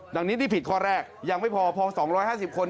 ดังนี้นี่ผิดข้อแรกยังไม่พอพอ๒๕๐คน